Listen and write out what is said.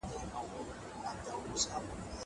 زه زدکړه کړې ده!!